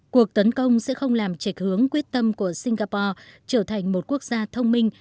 cuộc tấn công sẽ không làm trạch hướng quyết tâm của singapore trở thành một quốc gia thông minh